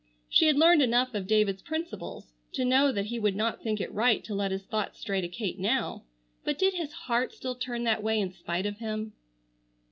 She had learned enough of David's principles to know that he would not think it right to let his thoughts stray to Kate now, but did his heart still turn that way in spite of him?